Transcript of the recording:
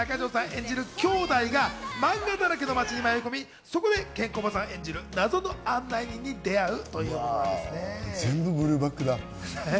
演じる兄妹がマンガだらけの街に迷い込み、そこでケンコバさん演じる謎の案内人に出会うという全部ブルーバックだ。